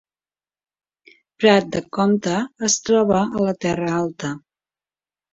Prat de Comte es troba a la Terra Alta